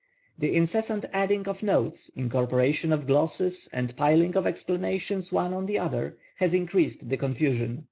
The incessant adding of notes, incorporation of glosses, and piling of explanations one on the other, has increased the confusion.